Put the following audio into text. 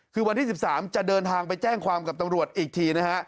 คือวันที่๑๓จะเดินทางไปแจ้งความกับตำรวจอีกทีนะฮะ